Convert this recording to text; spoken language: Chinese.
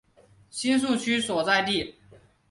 新宿区所在地。